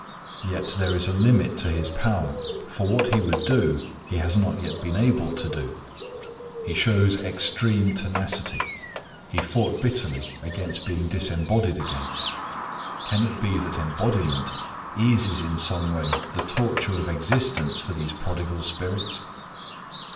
Yet there is a limit to his power, for what he would do he has not yet been able to do. He shows extreme tenacity. He fought bitterly against being disembodied again. (Can it be that embodiment eases in some way the torture of existence for these prodigal spirits!)